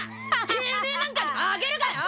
てめえなんかに負けるかよ！